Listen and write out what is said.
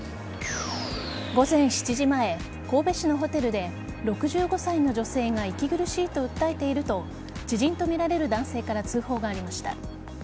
午前７時前、神戸市のホテルで６５歳の女性が息苦しいと訴えていると知人とみられる男性から通報がありました。